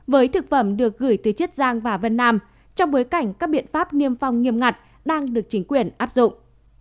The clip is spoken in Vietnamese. với thực phẩm được gửi từ chiết giang và vân nam trong bối cảnh các biện pháp niêm phong nghiêm ngặt đang được chính quyền áp dụng